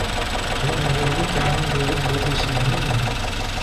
كان ذلك منذ عدة سنين.